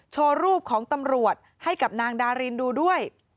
โชว์รูปของตำรวจให้กับนางดารินดูด้วย